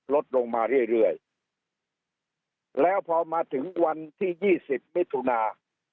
ลดลงมาเรื่อยเรื่อยแล้วพอมาถึงวันที่ยี่สิบมิถุนา